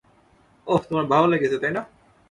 ওহ, তোমার ভালো লেগেছে, তাই না?